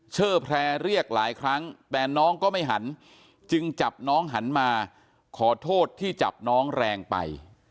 เชอร์แพร่เรียกหลายครั้งแต่น้องก็ไม่หันจึงจับน้องหันมาขอโทษที่จับน้องแรงไป